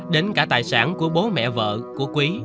đến cả tài sản của bố mẹ vợ của quý